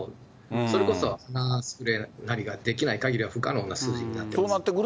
それこそ鼻スプレーが出来ないかぎりは不可能な数字になってます。